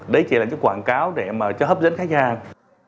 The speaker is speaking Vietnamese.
đấy chỉ là những quảng cáo để mà cho hấp dẫn khách hàng